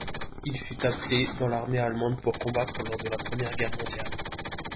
Il fut appelé dans l'armée allemande pour combattre lors de la Première Guerre mondiale.